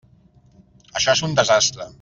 Això és un desastre.